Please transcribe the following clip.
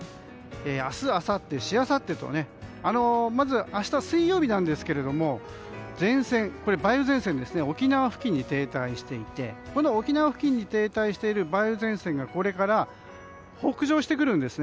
明日、あさって、しあさってとまず明日水曜日ですが梅雨前線が沖縄付近に停滞していてこの沖縄に停滞している梅雨前線がこれから北上してくるんです。